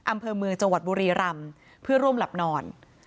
อำเภอเมืองจังหวัดบุรีรำเพื่อร่วมหลับนอน